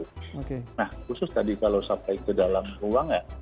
nah khusus tadi kalau sampai ke dalam ruangan